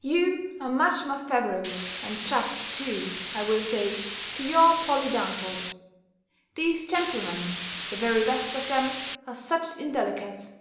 You are much more favourable and just too, I will say, to your Polly Damford. These gentlemen, the very best of them, are such indelicates!